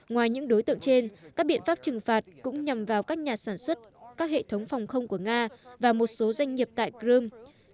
ngoài những đối tượng trên các biện pháp trừng phạt cũng nhằm vào các nhà sản xuất các hệ thống phòng không của nga và một số doanh nghiệp tại crimea